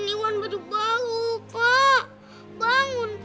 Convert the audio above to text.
nanti siapa yang beli baju baru buat iwan pak